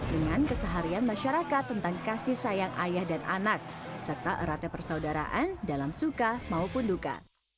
dengan keseharian masyarakat tentang kasih sayang ayah dan anak serta eratnya persaudaraan dalam suka maupun duka